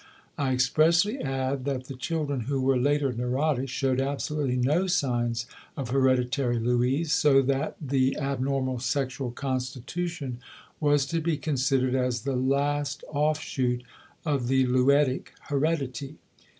I expressly add that the children who were later neurotic showed absolutely no signs of hereditary lues, so that the abnormal sexual constitution was to be considered as the last off shoot of the luetic heredity.